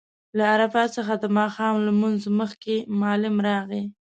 له عرفات څخه د ماښام لمونځ مخکې معلم راغی.